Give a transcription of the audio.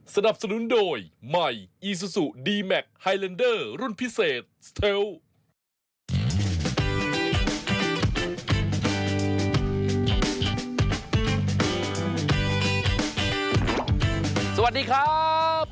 สวัสดีครับ